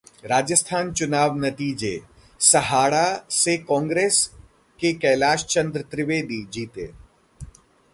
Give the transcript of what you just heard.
राजस्थान चुनाव नतीजे: सहाड़ा से कांग्रेस के कैलाश चन्द्र त्रिवेदी जीते